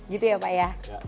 gitu ya pak ya